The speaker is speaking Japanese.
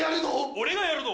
俺がやるど！